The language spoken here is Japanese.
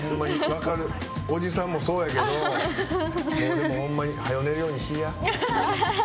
おじさんも、そうやけどでも、ほんまにはよ寝るようにしいや。